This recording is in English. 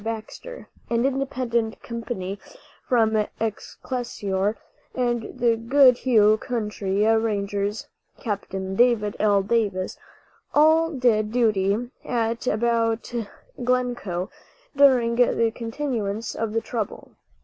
Baxter), an independent company from Excelsior, and the Goodhue County Rangers (Capt. David L. Davis), all did duty at and about Glencoe during the continuance of the trouble.